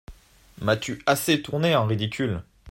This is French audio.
M’as-tu assez tournée en ridicule !